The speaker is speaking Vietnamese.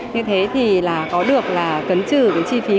như thế thì có được là cấn trừ cái chi phí khấu hao